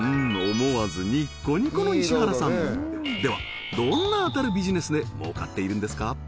思わずニッコニコの石原さんではどんな当たるビジネスで儲かっているんですか？